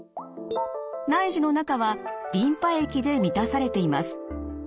内耳の中はリンパ液で満たされています。